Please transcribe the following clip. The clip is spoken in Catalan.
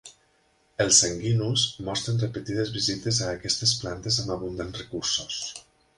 Els Saguinus mostren repetides visites a aquestes plantes amb abundants recursos.